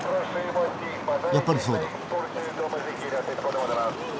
やっぱりそうだ。